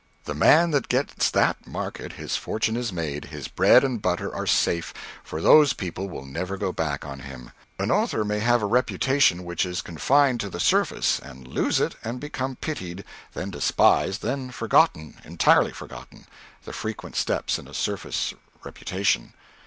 The man that gets that market, his fortune is made, his bread and butter are safe, for those people will never go back on him. An author may have a reputation which is confined to the surface, and lose it and become pitied, then despised, then forgotten, entirely forgotten the frequent steps in a surface reputation.